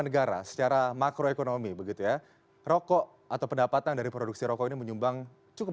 negara secara makroekonomi begitu ya rokok atau pendapatan dari produksi rokok ini menyumbang cukup